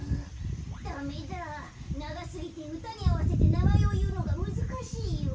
ダメだながすぎてうたにあわせてなまえをいうのがむずかしいよ。